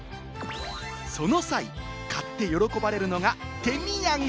その際、買って喜ばれるのが、手土産。